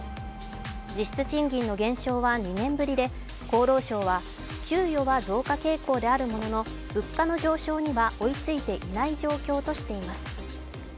実質賃金の減少は２年ぶりで、厚労省は給与は増加傾向であるものの物価の上昇には追いついていない状況としています。